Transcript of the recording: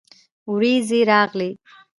ورېځې راغلې